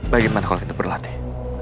bagaimana kalau kita berlatih